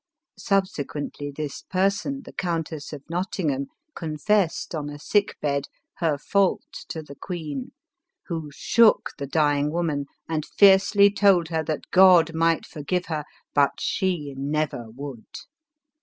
Subsequently this person, the Countess of Not tingham, confessed, on a sick bed, her fault to the queen, who shook the dying woman, and fiercely told her that God might forgive her, but she never would.